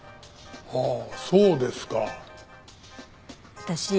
ああそうですか。